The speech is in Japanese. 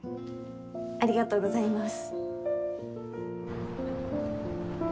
ありがとうございます。